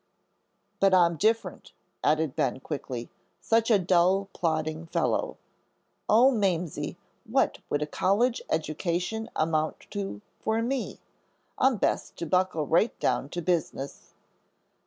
"But I'm different," added Ben, quickly, "such a dull, plodding fellow. Oh, Mamsie, what would a college education amount to for me? I'm best to buckle right down to business."